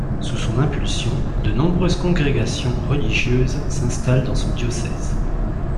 Sous son impulsion, de nombreuses congrégations religieuses s'installent dans son diocèse.